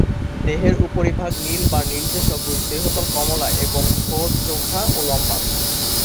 দেহের উপরিভাগ নীল বা নীলচে-সবুজ, দেহতল কমলা এবং ঠোঁট চোখা ও লম্বা।